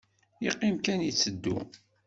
Yeqqim kan yetteddu.